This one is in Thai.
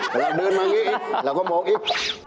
เวลาเดินมานี่เราก็มองอีก